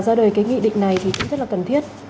ra đời cái nghị định này thì cũng rất là cần thiết